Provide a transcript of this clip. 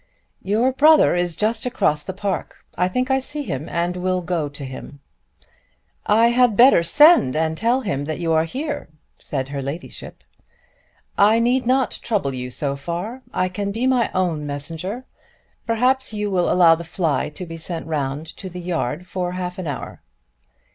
"Your brother is just across the park. I think I see him and will go to him." "I had better send and tell him that you are here," said her ladyship. "I need not trouble you so far. I can be my own messenger. Perhaps you will allow the fly to be sent round to the yard for half an hour."